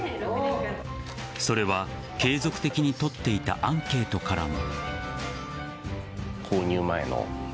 それは継続的に取っていたアンケートからも。